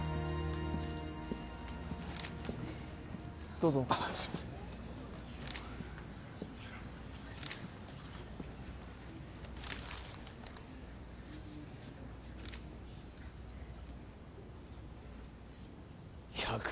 どうぞああすいません１００